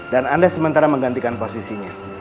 dan anda sementara menggantikan posisinya